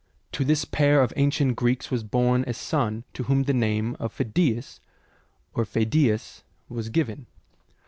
To this pair of ancient Greeks was born a son to whom the name of Phidias, or Pheidias, was given.